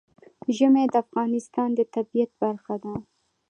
ژمی د افغانستان د طبیعت برخه ده.